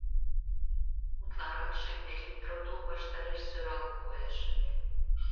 Утларакше элетротул ваштареш сӧралын коеш.